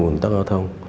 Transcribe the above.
mùn tắc giao thông